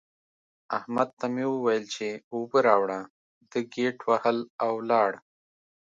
احمد ته مې وويل چې اوبه راوړه؛ ده ګيت وهل او ولاړ.